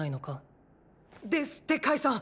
ですってカイさん！